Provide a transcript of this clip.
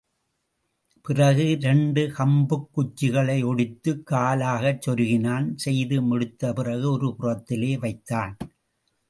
பிறகு, இரண்டு கம்புக் குச்சிகளை ஒடித்துக் காலாகச் சொருகினான், செய்து முடித்த பிறகு ஒரு புறத்திலே வைத்தான்.